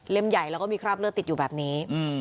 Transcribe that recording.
ใหญ่แล้วก็มีคราบเลือดติดอยู่แบบนี้